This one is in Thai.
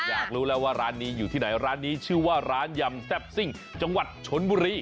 อยากรู้แล้วว่าร้านนี้อยู่ที่ไหนร้านนี้ชื่อว่าร้านยำแซ่บซิ่งจังหวัดชนบุรี